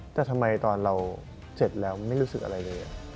แต่ทำไมตอนเราเจ็บแล้วไม่รู้สึกอะไรเลย